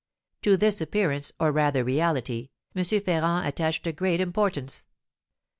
To this appearance, or rather reality, M. Ferrand attached great importance.